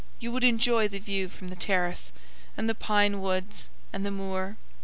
You would enjoy the view from the terrace; and the pine woods, and the moor."